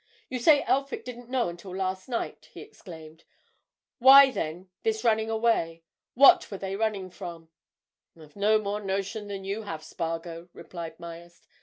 "You say Elphick didn't know until last night!" he exclaimed. "Why, then, this running away? What were they running from?" "I have no more notion than you have, Spargo," replied Myerst.